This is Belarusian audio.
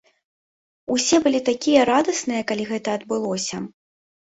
Усе былі такія радасныя, калі гэта адбылося!